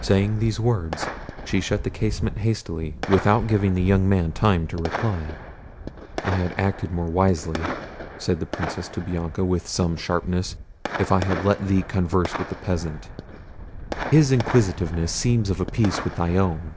Saying these words she shut the casement hastily, without giving the young man time to reply. "I had acted more wisely," said the Princess to Bianca, with some sharpness, "if I had let thee converse with this peasant; his inquisitiveness seems of a piece with thy own."